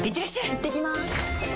いってきます！